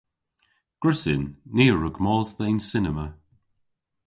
Gwrussyn. Ni a wrug mos dhe'n cinema.